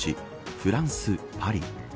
フランス、パリ。